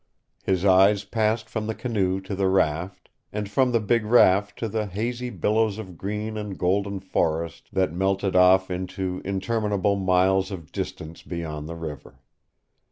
His eyes passed from the canoe to the raft, and from the big raft to the hazy billows of green and golden forest that melted off into interminable miles of distance beyond the river.